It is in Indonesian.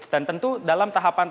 dan tentu dalam tahapan terakhir